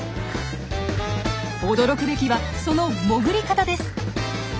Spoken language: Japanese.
驚くべきはその潜り方です。